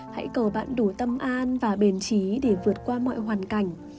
hãy cầu bạn đủ tâm an và bền trí để vượt qua mọi hoàn cảnh